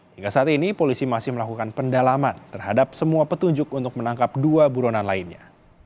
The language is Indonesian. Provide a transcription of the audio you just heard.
hingga saat ini polisi masih melakukan pendalaman terhadap semua petunjuk untuk menangkap dua buronan lainnya